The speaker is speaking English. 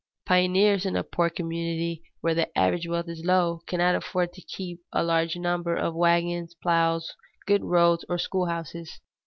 Pioneers in a poor community where the average wealth is low, cannot afford to keep a large number of wagons, plows, good roads, or school houses.